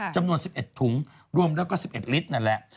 จำนวน๑๑ถุงรวมแล้วก็๑๑ลิตรนั่นแหละ